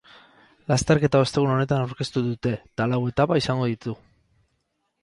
Lasterketa ostegun honetan aurkeztu dutee ta lau etapa izango ditu.